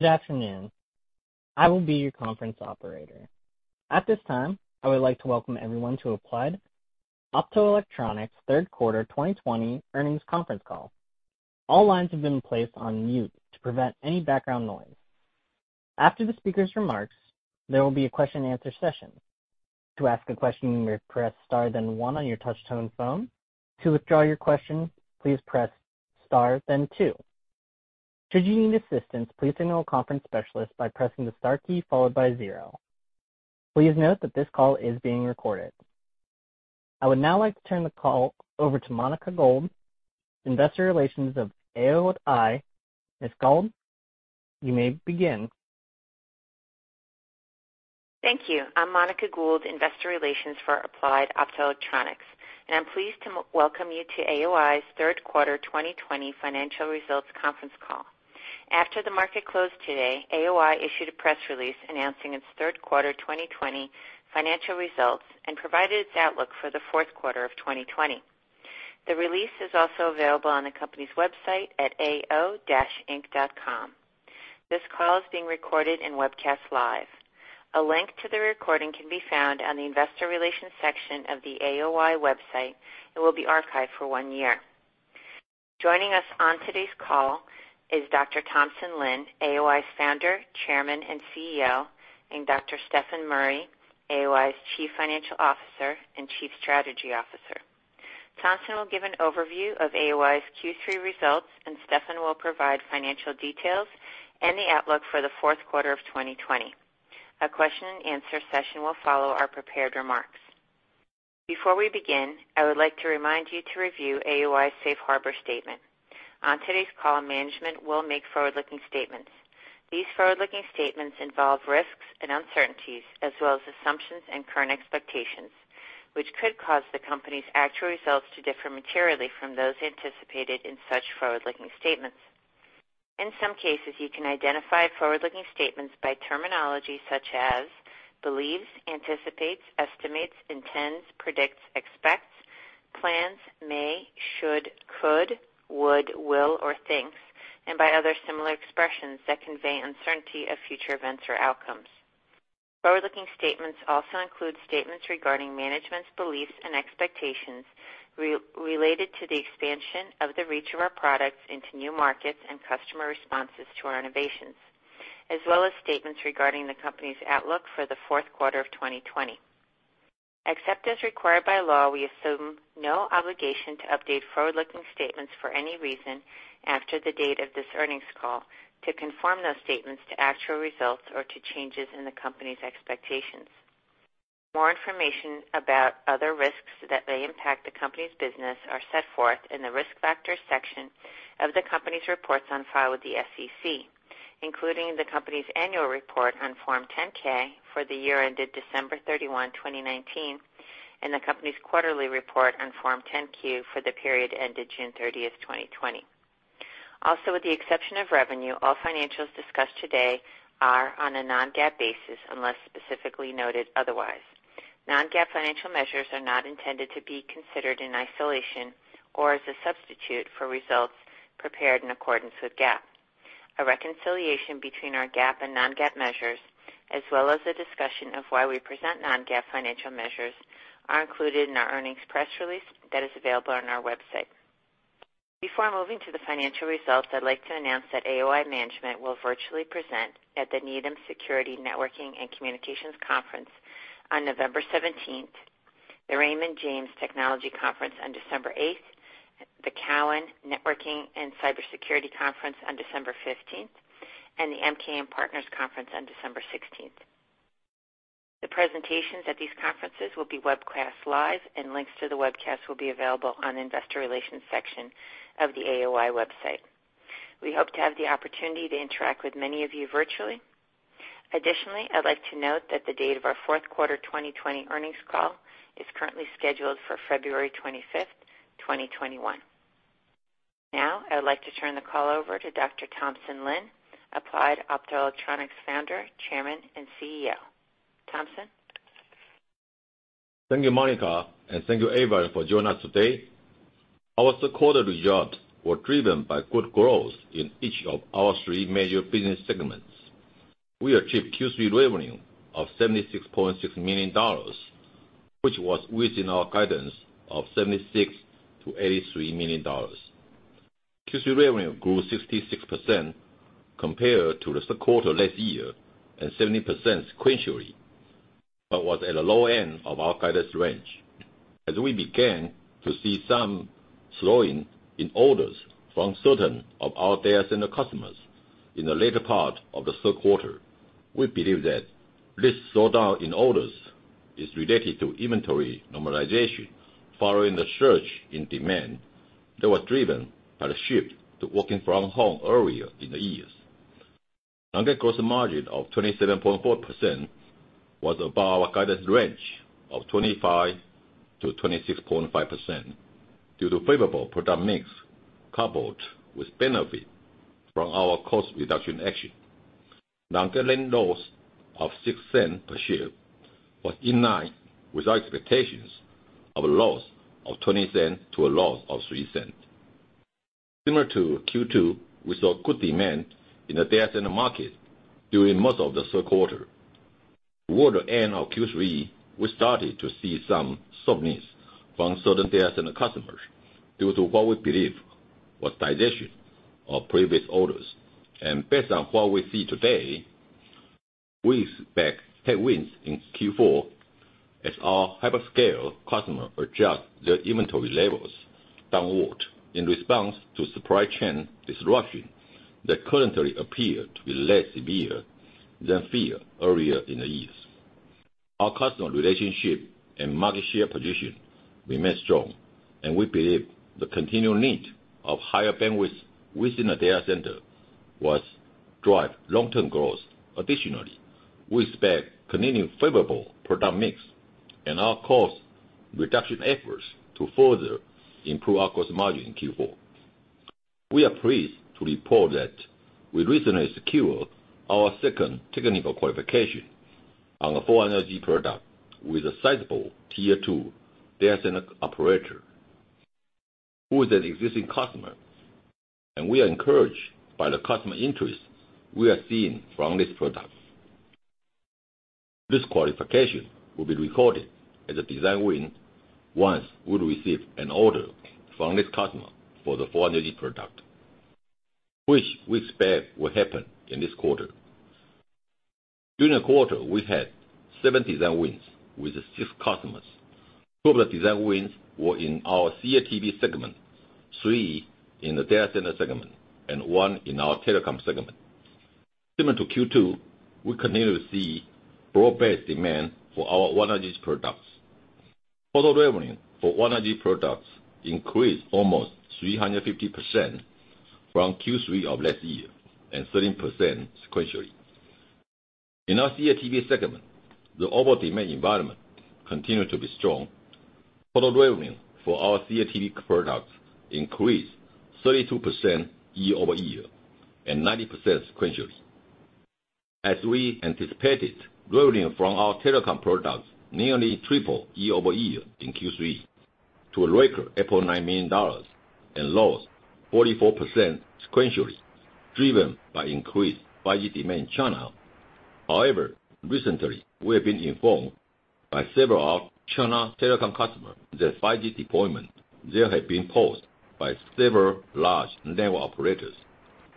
Good afternoon, I will be your conference operator. At this time I would like to welcome everyone on Applied Optoelectronics third quarter 2020 earnings conference call. All lines have been placed on mute to prevent background noise. After the speakers' remarks there will be a question and answer session. To ask a question you may press star then one on your touch-tone phone. To withdraw your question please press star then two. Should you need assistance please signal the conference specialist by pressing the star key followed by zero. Please note that this call is being recorded. I would now like to turn the call over to Monica Gould, Investor Relations of AOI. Ms. Gould, you may begin. Thank you. I'm Monica Gould, Investor Relations for Applied Optoelectronics, and I'm pleased to welcome you to AOI's third quarter 2020 financial results conference call. After the market closed today, AOI issued a press release announcing its third quarter 2020 financial results and provided its outlook for the fourth quarter of 2020. The release is also available on the company's website at ao-inc.com. This call is being recorded and webcast live. A link to the recording can be found on the investor relations section of the AOI website and will be archived for one year. Joining us on today's call is Dr. Thompson Lin, AOI's Founder, Chairman, and CEO, and Dr. Stefan Murry, AOI's Chief Financial Officer and Chief Strategy Officer. Thompson will give an overview of AOI's Q3 results, and Stefan will provide financial details and the outlook for the fourth quarter of 2020. A question and answer session will follow our prepared remarks. Before we begin, I would like to remind you to review AOI's Safe Harbor statement. On today's call, management will make forward-looking statements. These forward-looking statements involve risks and uncertainties, as well as assumptions and current expectations, which could cause the company's actual results to differ materially from those anticipated in such forward-looking statements. In some cases, you can identify forward-looking statements by terminology such as believes, anticipates, estimates, intends, predicts, expects, plans, may, should, could, would, will, or thinks, and by other similar expressions that convey uncertainty of future events or outcomes. Forward-looking statements also include statements regarding management's beliefs and expectations related to the expansion of the reach of our products into new markets and customer responses to our innovations, as well as statements regarding the company's outlook for the fourth quarter of 2020. Except as required by law, we assume no obligation to update forward-looking statements for any reason after the date of this earnings call to conform those statements to actual results or to changes in the company's expectations. More information about other risks that may impact the company's business are set forth in the risk factors section of the company's reports on file with the SEC, including the company's annual report on Form 10-K for the year ended December 31, 2019, and the company's quarterly report on Form 10-Q for the period ended June 30, 2020. Also, with the exception of revenue, all financials discussed today are on a non-GAAP basis unless specifically noted otherwise. Non-GAAP financial measures are not intended to be considered in isolation or as a substitute for results prepared in accordance with GAAP. A reconciliation between our GAAP and non-GAAP measures, as well as a discussion of why we present non-GAAP financial measures, are included in our earnings press release that is available on our website. Before moving to the financial results, I'd like to announce that AOI management will virtually present at the Needham Security Networking & Communications Conference on November 17th, the Raymond James Technology Conference on December 8th, the Cowen Networking and Cybersecurity Conference on December 15th, and the MKM Partners Conference on December 16th. The presentations at these conferences will be webcast live, and links to the webcasts will be available on the investor relations section of the AOI website. We hope to have the opportunity to interact with many of you virtually. Additionally, I'd like to note that the date of our fourth quarter 2020 earnings call is currently scheduled for February 25th, 2021. Now, I would like to turn the call over to Dr. Thompson Lin, Applied Optoelectronics Founder, Chairman, and CEO. Thompson? Thank you, Monica, and thank you everyone for joining us today. Our third quarter results were driven by good growth in each of our three major business segments. We achieved Q3 revenue of $76.6 million, which was within our guidance of $76 million-$83 million. Q3 revenue grew 66% compared to the third quarter last year and 17% sequentially, but was at the low end of our guidance range as we began to see some slowing in orders from certain of our data center customers in the later part of the third quarter. We believe that this slowdown in orders is related to inventory normalization following the surge in demand that was driven by the shift to working from home earlier in the year. Non-GAAP gross margin of 27.4% was above our guidance range of 25%-26.5% due to favorable product mix coupled with benefit from our cost reduction action. Non-GAAP loss of $0.06 per share was in line with our expectations of a loss of $0.20 to a loss of $0.03. Similar to Q2, we saw good demand in the data center market during most of the third quarter. Toward the end of Q3, we started to see some softness from certain data center customers due to what we believe was digestion of previous orders. Based on what we see today, we expect headwinds in Q4 as our hyperscale customer adjust their inventory levels downward in response to supply chain disruption that currently appear to be less severe than feared earlier in the year. Our customer relationship and market share position remain strong, and we believe the continued need of higher bandwidth within the data center will drive long-term growth. Additionally, we expect continuing favorable product mix and our cost reduction efforts to further improve our gross margin in Q4. We are pleased to report that we recently secured our second technical qualification on a 400G product with a sizable Tier 2 data center operator who is an existing customer, and we are encouraged by the customer interest we are seeing from this product. This qualification will be recorded as a design win once we receive an order from this customer for the 400G product, which we expect will happen in this quarter. During the quarter, we had seven design wins with six customers. Two of the design wins were in our CATV segment, three in the data center segment, and one in our telecom segment. Similar to Q2, we continue to see broad-based demand for our 100G products. Total revenue for 100G products increased almost 350% from Q3 of last year and 13% sequentially. In our CATV segment, the overall demand environment continued to be strong. Total revenue for our CATV products increased 32% year-over-year and 90% sequentially. As we anticipated, revenue from our telecom products nearly tripled year-over-year in Q3 to a record $8.9 million and rose 44% sequentially, driven by increased 5G demand in China. However, recently, we have been informed by several of China telecom customer that 5G deployment there had been paused by several large network operators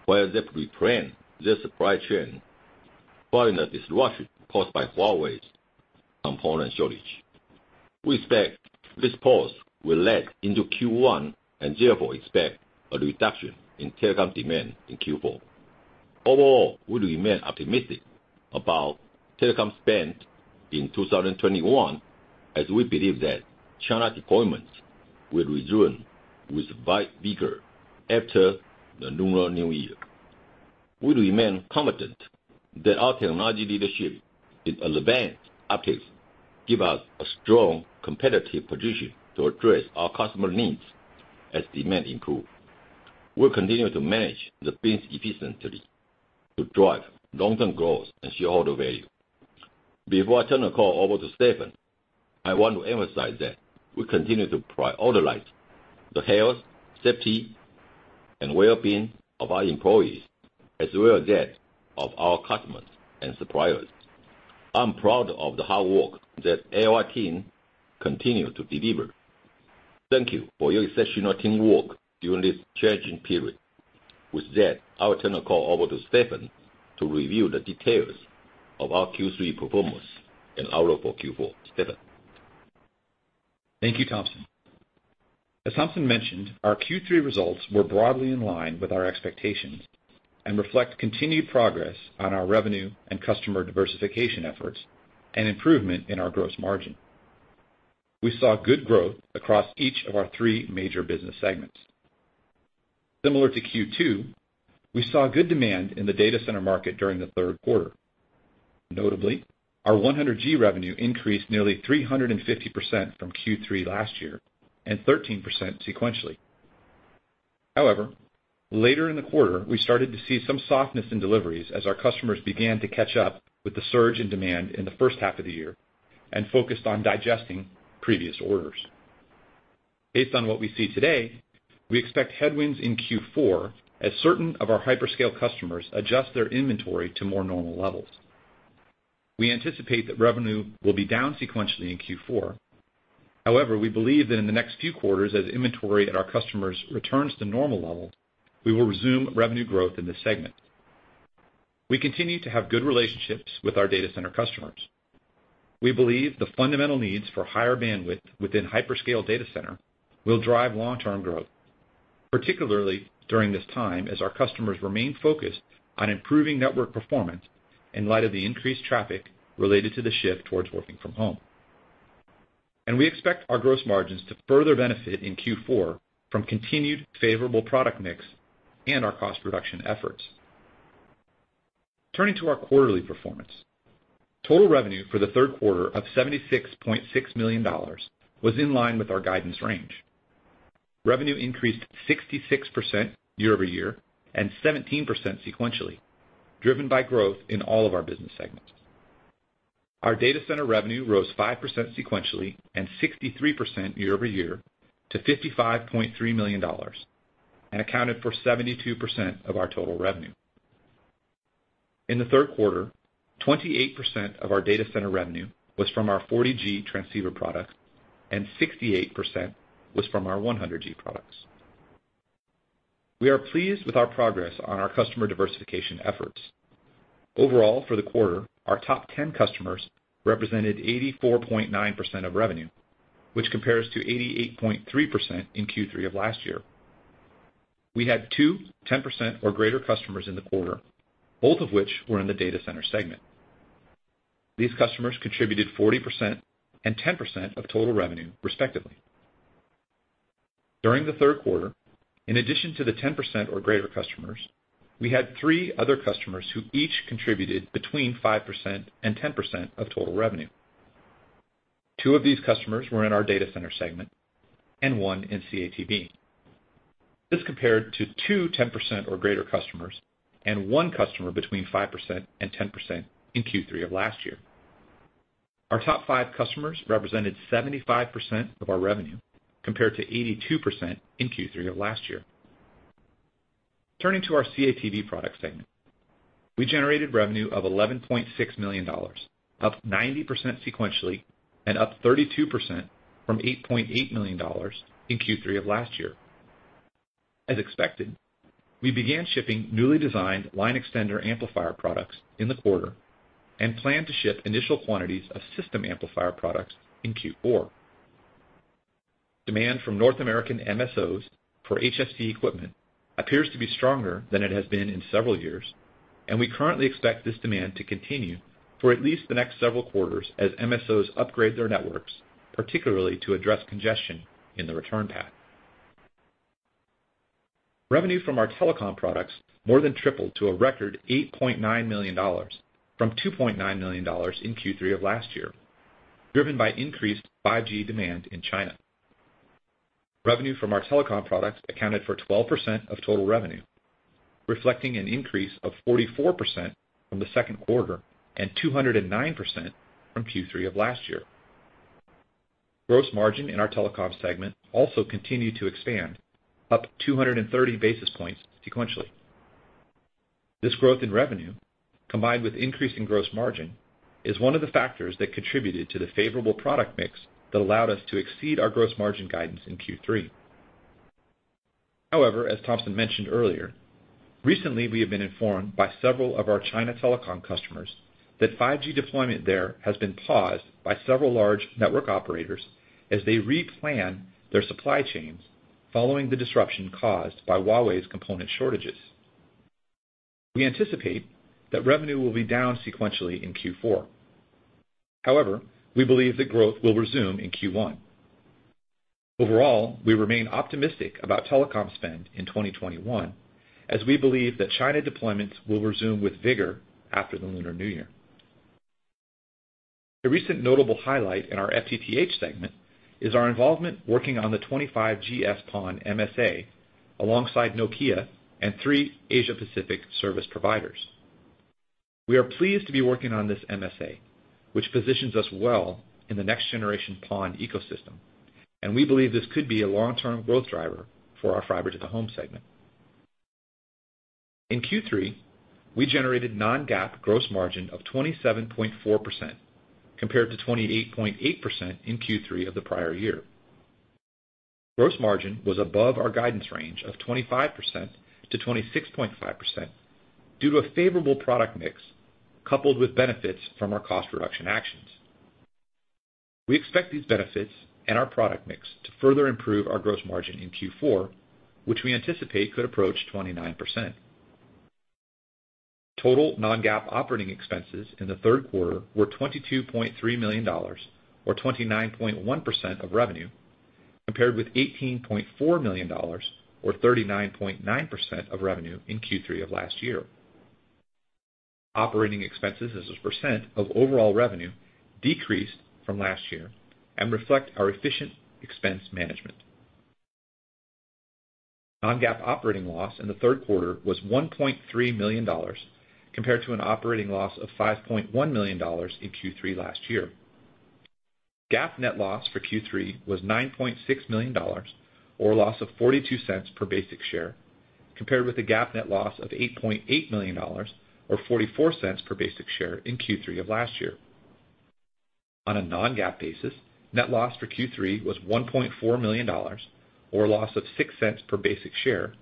while they re-plan their supply chain following the disruption caused by Huawei's component shortage. We expect this pause will lag into Q1 and therefore expect a reduction in telecom demand in Q4. Overall, we remain optimistic about telecom spend in 2021, as we believe that China deployments will resume with vigor after the Lunar New Year. We remain confident that our technology leadership in advanced optics give us a strong competitive position to address our customer needs as demand improves. We'll continue to manage the business efficiently to drive long-term growth and shareholder value. Before I turn the call over to Stefan, I want to emphasize that we continue to prioritize the health, safety, and well-being of our employees, as well as that of our customers and suppliers. I'm proud of the hard work that our team continue to deliver. Thank you for your exceptional teamwork during this challenging period. With that, I'll turn the call over to Stefan to review the details of our Q3 performance and outlook for Q4. Stefan? Thank you, Thompson. As Thompson mentioned, our Q3 results were broadly in line with our expectations and reflect continued progress on our revenue and customer diversification efforts and improvement in our gross margin. We saw good growth across each of our three major business segments. Similar to Q2, we saw good demand in the data center market during the third quarter. Notably, our 100G revenue increased nearly 350% from Q3 last year and 13% sequentially. Later in the quarter, we started to see some softness in deliveries as our customers began to catch up with the surge in demand in the first half of the year and focused on digesting previous orders. Based on what we see today, we expect headwinds in Q4 as certain of our hyperscale customers adjust their inventory to more normal levels. We anticipate that revenue will be down sequentially in Q4. However, we believe that in the next few quarters, as inventory at our customers returns to normal level, we will resume revenue growth in this segment. We continue to have good relationships with our data center customers. We believe the fundamental needs for higher bandwidth within hyperscale center will drive long-term growth, particularly during this time as our customers remain focused on improving network performance in light of the increased traffic related to the shift towards working from home. We expect our gross margins to further benefit in Q4 from continued favorable product mix and our cost reduction efforts. Turning to our quarterly performance. Total revenue for the third quarter of $76.6 million was in line with our guidance range. Revenue increased 66% year-over-year and 17% sequentially, driven by growth in all of our business segments. Our data center revenue rose 5% sequentially and 63% year-over-year to $55.3 million, and accounted for 72% of our total revenue. In the third quarter, 28% of our data center revenue was from our 40G transceiver product and 68% was from our 100G products. We are pleased with our progress on our customer diversification efforts. Overall, for the quarter, our top 10 customers represented 84.9% of revenue, which compares to 88.3% in Q3 of last year. We had two 10% or greater customers in the quarter, both of which were in the data center segment. These customers contributed 40% and 10% of total revenue respectively. During the third quarter, in addition to the 10% or greater customers, we had three other customers who each contributed between 5% and 10% of total revenue. Two of these customers were in our data center segment and one in CATV. This compared to two 10% or greater customers and one customer between 5% and 10% in Q3 of last year. Our top five customers represented 75% of our revenue, compared to 82% in Q3 of last year. Turning to our CATV product segment. We generated revenue of $11.6 million, up 90% sequentially and up 32% from $8.8 million in Q3 of last year. As expected, we began shipping newly designed line extender amplifier products in the quarter and plan to ship initial quantities of system amplifier products in Q4. Demand from North American MSOs for HFC equipment appears to be stronger than it has been in several years, and we currently expect this demand to continue for at least the next several quarters as MSOs upgrade their networks, particularly to address congestion in the return path. Revenue from our telecom products more than tripled to a record $8.9 million from $2.9 million in Q3 of last year, driven by increased 5G demand in China. Revenue from our telecom products accounted for 12% of total revenue, reflecting an increase of 44% from the second quarter and 209% from Q3 of last year. Gross margin in our telecom segment also continued to expand, up 230 basis points sequentially. This growth in revenue, combined with increase in gross margin, is one of the factors that contributed to the favorable product mix that allowed us to exceed our gross margin guidance in Q3. As Thompson mentioned earlier, recently, we have been informed by several of our China telecom customers that 5G deployment there has been paused by several large network operators as they re-plan their supply chains following the disruption caused by Huawei's component shortages. We anticipate that revenue will be down sequentially in Q4. We believe that growth will resume in Q1. Overall, we remain optimistic about telecom spend in 2021, as we believe that China deployments will resume with vigor after the Lunar New Year. A recent notable highlight in our FTTH segment is our involvement working on the 25GS-PON MSA alongside Nokia and three Asia-Pacific service providers. We are pleased to be working on this MSA, which positions us well in the next generation PON ecosystem, and we believe this could be a long-term growth driver for our Fiber-to-the-Home segment. In Q3, we generated non-GAAP gross margin of 27.4%, compared to 28.8% in Q3 of the prior year. Gross margin was above our guidance range of 25%-26.5% due to a favorable product mix, coupled with benefits from our cost reduction actions. We expect these benefits and our product mix to further improve our gross margin in Q4, which we anticipate could approach 29%. Total non-GAAP operating expenses in the third quarter were $22.3 million or 29.1% of revenue, compared with $18.4 million or 39.9% of revenue in Q3 of last year. Operating expenses as a percent of overall revenue decreased from last year and reflect our efficient expense management. Non-GAAP operating loss in the third quarter was $1.3 million compared to an operating loss of $5.1 million in Q3 last year. GAAP net loss for Q3 was $9.6 million or a loss of $0.42 per basic share, compared with a GAAP net loss of $8.8 million or $0.44 per basic share in Q3 of last year. On a non-GAAP basis, net loss for Q3 was $1.4 million or a loss of $0.06 per basic share,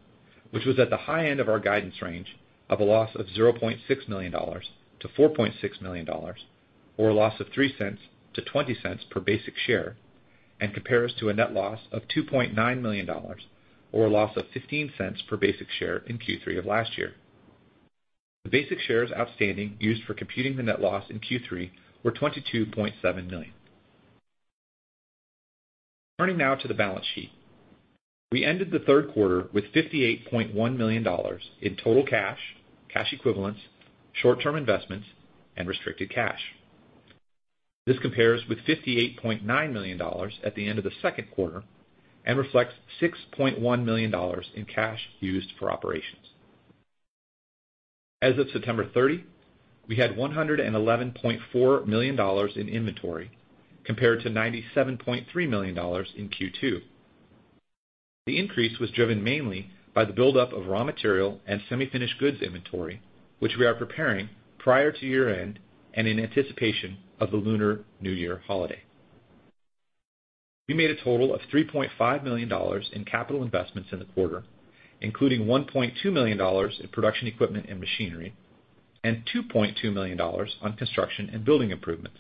which was at the high end of our guidance range of a loss of $0.6 million-$4.6 million or a loss of $0.03-$0.20 per basic share, and compares to a net loss of $2.9 million or a loss of $0.15 per basic share in Q3 of last year. The basic shares outstanding used for computing the net loss in Q3 were 22.7 million. Turning now to the balance sheet. We ended the third quarter with $58.1 million in total cash equivalents, short-term investments, and restricted cash. This compares with $58.9 million at the end of the second quarter and reflects $6.1 million in cash used for operations. As of September 30, we had $111.4 million in inventory compared to $97.3 million in Q2. The increase was driven mainly by the buildup of raw material and semi-finished goods inventory, which we are preparing prior to year-end and in anticipation of the Lunar New Year holiday. We made a total of $3.5 million in capital investments in the quarter, including $1.2 million in production equipment and machinery and $2.2 million on construction and building improvements.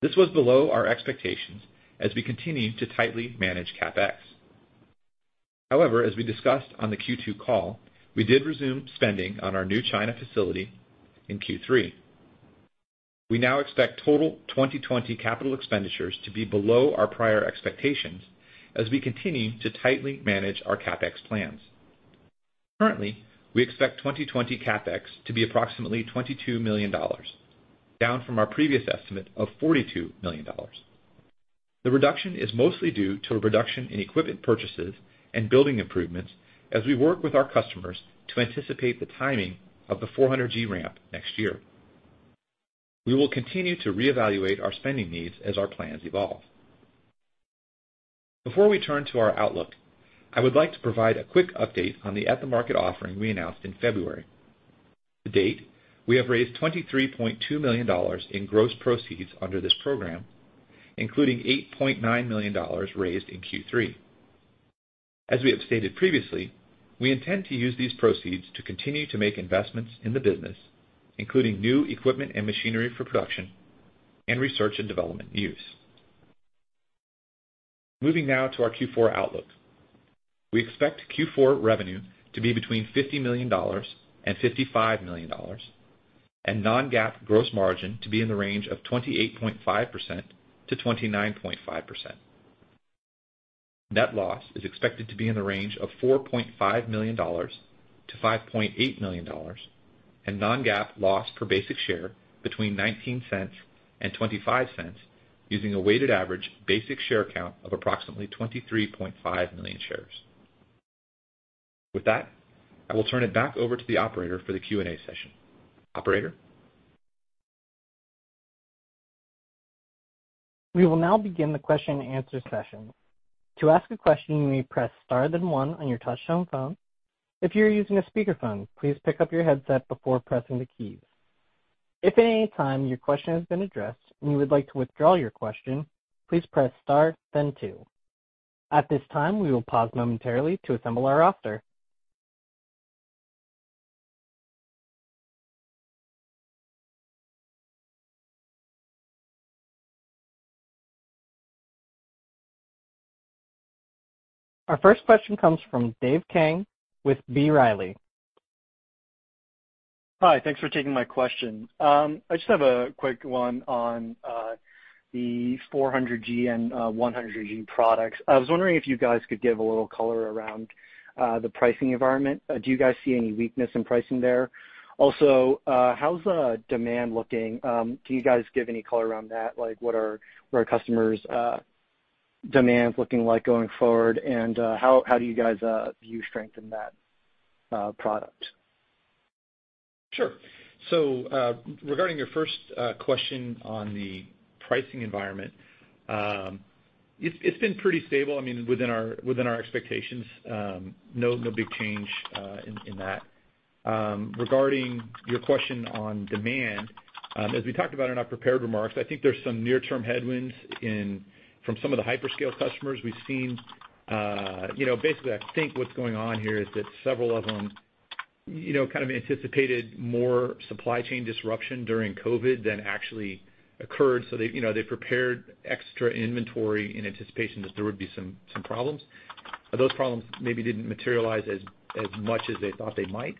This was below our expectations as we continue to tightly manage CapEx. As we discussed on the Q2 call, we did resume spending on our new China facility in Q3. We now expect total 2020 capital expenditures to be below our prior expectations as we continue to tightly manage our CapEx plans. We expect 2020 CapEx to be approximately $22 million, down from our previous estimate of $42 million. The reduction is mostly due to a reduction in equipment purchases and building improvements as we work with our customers to anticipate the timing of the 400G ramp next year. We will continue to reevaluate our spending needs as our plans evolve. Before we turn to our outlook, I would like to provide a quick update on the at-the-market offering we announced in February. To date, we have raised $23.2 million in gross proceeds under this program, including $8.9 million raised in Q3. As we have stated previously, we intend to use these proceeds to continue to make investments in the business, including new equipment and machinery for production and research and development use. Moving now to our Q4 outlook. We expect Q4 revenue to be between $50 million and $55 million, and non-GAAP gross margin to be in the range of 28.5%-29.5%. Net loss is expected to be in the range of $4.5 million-$5.8 million, and non-GAAP loss per basic share between $0.19 and $0.25, using a weighted average basic share count of approximately 23.5 million shares. With that, I will turn it back over to the operator for the Q&A session. Operator? We will now begin the question and answer session. To ask a question you may press star then one on your touch-tone phone. If you're using a speaker phone please pick up your handset before pressing the keys. If any time your question has been addressed and you would like to withdraw your question, please press star then two. At this time we will pause momentarily to assemble our roster. Our first question comes from Dave Kang with B. Riley. Hi. Thanks for taking my question. I just have a quick one on the 400G and 100G products. I was wondering if you guys could give a little color around the pricing environment. Do you guys see any weakness in pricing there? Also, how's demand looking? Can you guys give any color around that? What are customers' demands looking like going forward, and how do you guys view strength in that product? Sure. Regarding your first question on the pricing environment, it's been pretty stable, within our expectations. No big change in that. Regarding your question on demand, as we talked about in our prepared remarks, I think there's some near-term headwinds from some of the hyperscale customers. Basically, I think what's going on here is that several of them kind of anticipated more supply chain disruption during COVID than actually occurred, so they prepared extra inventory in anticipation that there would be some problems. Those problems maybe didn't materialize as much as they thought they might,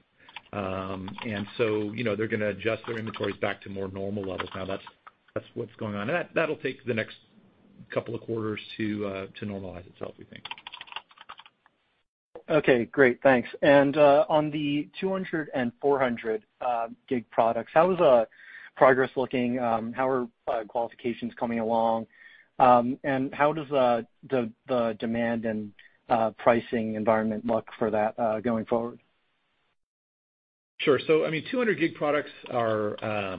and so they're going to adjust their inventories back to more normal levels now. That's what's going on. That'll take the next couple of quarters to normalize itself, we think. Okay, great. Thanks. On the 200G and 400G products, how is progress looking? How are qualifications coming along? How does the demand and pricing environment look for that going forward? 200G products are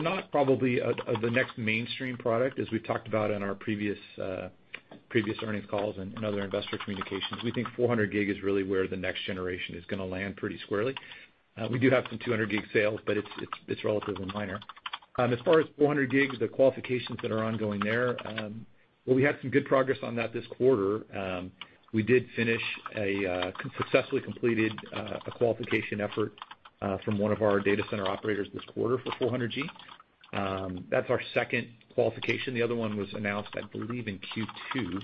not probably the next mainstream product, as we've talked about in our previous earnings calls and other investor communications. We think 400G is really where the next generation is going to land pretty squarely. We do have some 200G sales, but it's relatively minor. As far as 400G, the qualifications that are ongoing there, we had some good progress on that this quarter. We did successfully complete a qualification effort from one of our data center operators this quarter for 400G. That's our second qualification. The other one was announced, I believe, in Q2.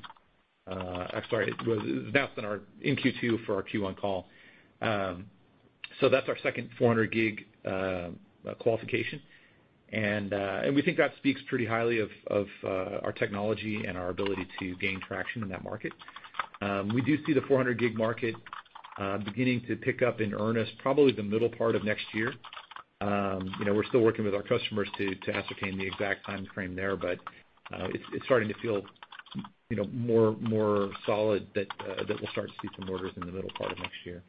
Sorry, it was announced in Q2 for our Q1 call. That's our second 400G qualification, and we think that speaks pretty highly of our technology and our ability to gain traction in that market. We do see the 400G market beginning to pick up in earnest, probably the middle part of next year. We're still working with our customers to ascertain the exact timeframe there, but it's starting to feel more solid that we'll start to see some orders in the middle part of next year.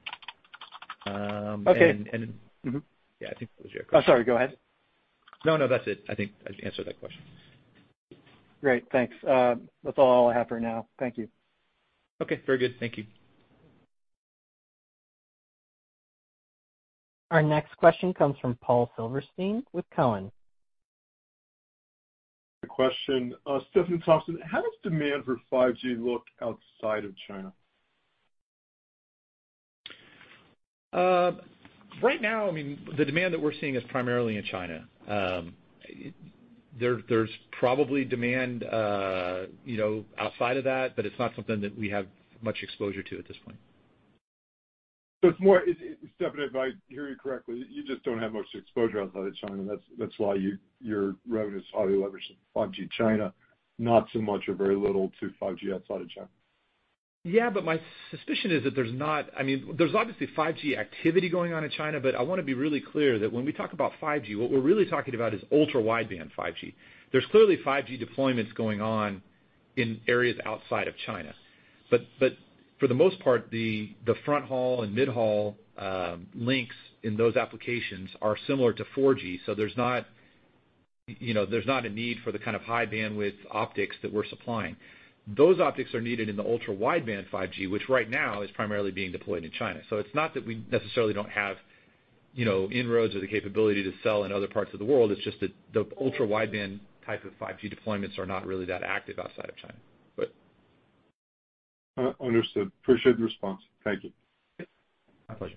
Okay. Mm-hmm. Yeah, I think that was your question. I'm sorry. Go ahead. No, that's it. I think I answered that question. Great. Thanks. That's all I have for now. Thank you. Okay. Very good. Thank you. Our next question comes from Paul Silverstein with Cowen. Question. Stefan Thompson, how does demand for 5G look outside of China? Right now, the demand that we're seeing is primarily in China. There's probably demand outside of that, but it's not something that we have much exposure to at this point. Stefan, if I hear you correctly, you just don't have much exposure outside of China. That's why your revenue is highly leveraged in 5G China, not so much or very little to 5G outside of China. My suspicion is that there's obviously 5G activity going on in China, I want to be really clear that when we talk about 5G, what we're really talking about is ultra wideband 5G. There's clearly 5G deployments going on in areas outside of China. For the most part, the front haul and mid-haul links in those applications are similar to 4G. There's not a need for the kind of high bandwidth optics that we're supplying. Those optics are needed in the ultra wideband 5G, which right now is primarily being deployed in China. It's not that we necessarily don't have inroads or the capability to sell in other parts of the world. It's just that the ultra wideband type of 5G deployments are not really that active outside of China. Understood. Appreciate the response. Thank you. My pleasure.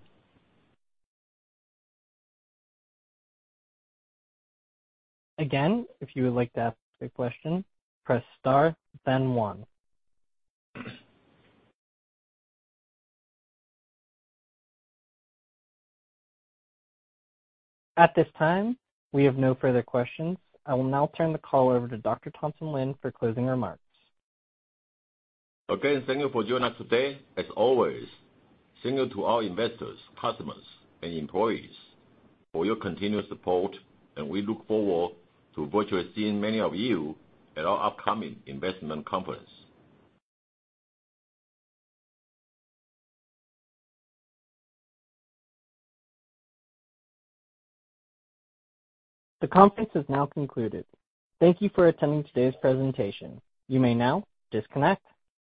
Again if you would like to ask a question press star the one. At this time, we have no further questions. I will now turn the call over to Dr. Thompson Lin for closing remarks. Again, thank you for joining us today. As always, thank you to our investors, customers, and employees for your continuous support, and we look forward to virtually seeing many of you at our upcoming investment conference. The conference is now concluded. Thank you for attending today's presentation. You may now disconnect.